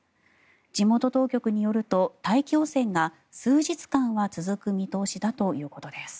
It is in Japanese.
地元当局によると、大気汚染が数日間は続く見通しだということです。